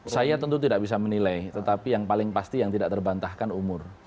saya tentu tidak bisa menilai tetapi yang paling pasti yang tidak terbantahkan umur